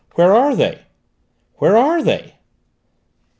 Where are they? Where are they?"